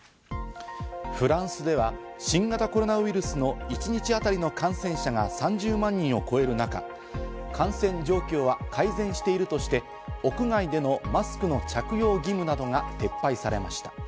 フランスでは新型コロナウイルスの一日あたりの感染者が３０万人を超える中、感染状況は改善しているとして、屋外でのマスクの着用義務などが撤廃されました。